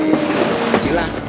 eh ada suatu pato